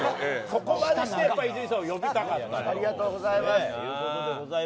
そこまでして伊集院さんを呼びたかったということで。